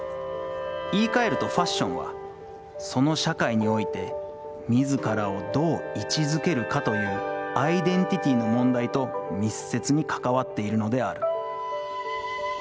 言い換えるとファッションは、その社会において自らをどう位置づけるかというアイデンティティの問題と密接に関わっているのである」。